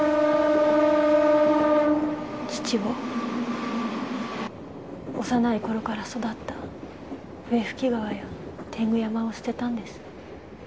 父を幼い頃から育った笛吹川や天狗山を捨てたんです。